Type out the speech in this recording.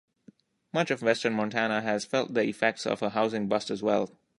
Much of western Montana has felt the effects of a housing bust as well.